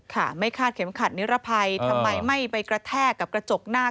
ค่ะไม่คาดเข็มขัดนิรภัยทำไมไม่ไปกระแทกกับกระจกหน้า